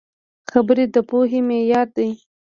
خبرې د پوهې معیار دي